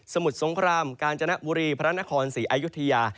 มุดสงครามกาญจนบุรีพระนครศรีอายุทยา